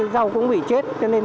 rau cũng bị chết